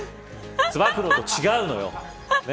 つば九郎と違うのよ。